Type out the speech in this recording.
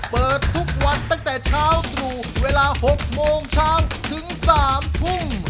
เปิดทุกวันตั้งแต่เช้าตรู่เวลา๖โมงเช้าถึง๓ทุ่ม